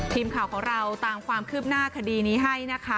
ทีมข่าวของเราตามความคืบหน้าคดีนี้ให้นะคะ